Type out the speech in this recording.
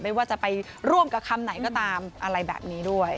ไม่ว่าจะไปร่วมกับคำไหนก็ตามอะไรแบบนี้ด้วย